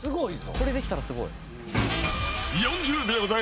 これできたらすごい。